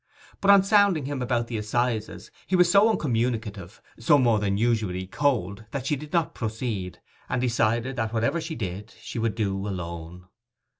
But, on sounding him about the assizes, he was so uncommunicative, so more than usually cold, that she did not proceed, and decided that whatever she did she would do alone.